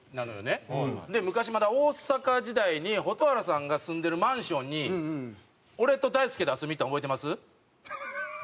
で昔まだ大阪時代に蛍原さんが住んでるマンションに俺と大輔で遊びに行ったの覚えてます？